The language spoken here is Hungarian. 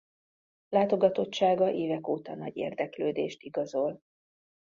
Látogatottsága évek óta nagy érdeklődést igazol.